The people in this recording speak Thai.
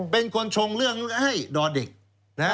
เป็นคนชงเรื่องให้ดอเด็กนะฮะ